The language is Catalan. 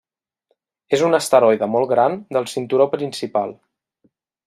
És un asteroide molt gran del cinturó principal.